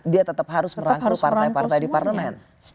dia tetap harus merangkul partai partai di parlemen